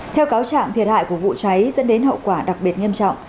theo cáo trạng thiệt hại của vụ cháy dẫn đến hậu quả đặc biệt nghiêm trọng